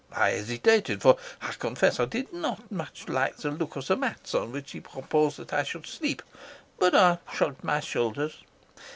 I hesitated, for I confess I did not much like the look of the mats on which he proposed that I should sleep; but I shrugged my shoulders.